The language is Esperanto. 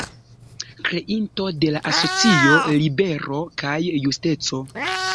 Kreinto de la asocio "Libero kaj Justeco".